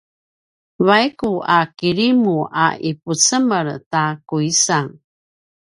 vaiku a kirimu a ipucemel ta kuisang